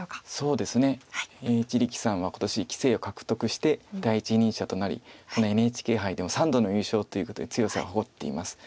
一力さんは今年棋聖を獲得して第一人者となりこのＮＨＫ杯でも３度の優勝ということで強さを誇っています。